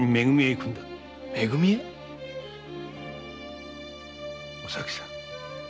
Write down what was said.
め組へ⁉お咲さん。